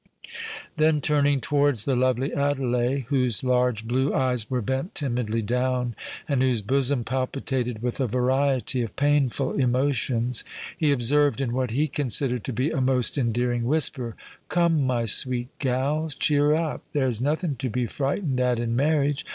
Then, turning towards the lovely Adelais, whose large blue eyes were bent timidly down, and whose bosom palpitated with a variety of painful emotions, he observed, in what he considered to be a most endearing whisper, "Come, my sweet gal, cheer up: there's nothing to be frightened at in marriage.